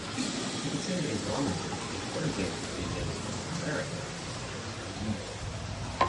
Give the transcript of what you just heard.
They considered Islamism a third way between those of America and the Soviet Union.